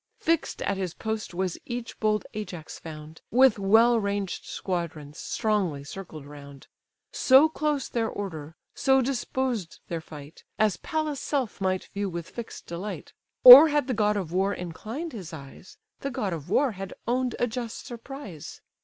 Fix'd at his post was each bold Ajax found, With well ranged squadrons strongly circled round: So close their order, so disposed their fight, As Pallas' self might view with fix'd delight; Or had the god of war inclined his eyes, The god of war had own'd a just surprise.